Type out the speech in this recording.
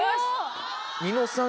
『ニノさん』